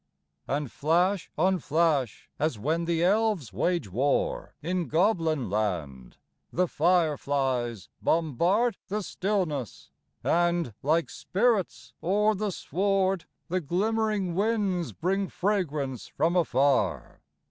And flash on flash, as when the elves wage war In Goblinland, the fireflies bombard The stillness; and, like spirits, o'er the sward The glimmering winds bring fragrance from afar.